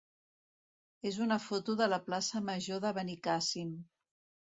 és una foto de la plaça major de Benicàssim.